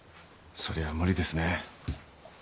そりゃ無理ですね。